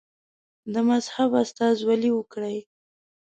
د مذهب استازولي وکړي.